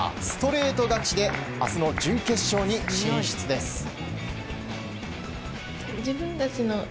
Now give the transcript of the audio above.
ストレート勝ちで明日の準決勝に進出です。